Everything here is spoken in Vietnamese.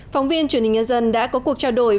phóng viên truyền hình nhân dân đã có cuộc trao đổi